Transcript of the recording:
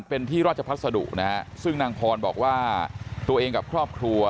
เป็นที่ราชพัสดุนะฮะซึ่งนางพรบอกว่าตัวเองกับครอบครัว